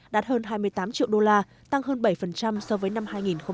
đạt hơn hai mươi tám triệu đô la tăng hơn bảy so với năm hai nghìn một mươi tám